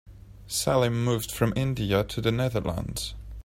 Salim moved from India to the Netherlands.